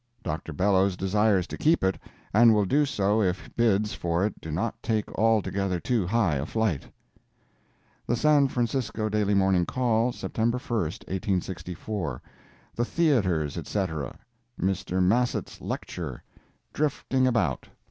Dr. Bellows desires to keep it, and will do so if bids for it do not take altogether too high a flight. The San Francisco Daily Morning Call, September 1, 1864 THE THEATRES, ETC. MR. MASSETT'S LECTURE—"DRIFTING ABOUT."